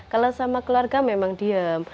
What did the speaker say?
kalau sama keluarga memang diem